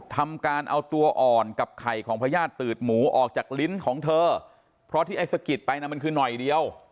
ทำการเอาตัวอ่อนกับไข่ของพญาติตืดหมูออกจากลิ้นของเธอเพราะที่ไอ้สะกิดไปน่ะมันคือหน่อยเดียว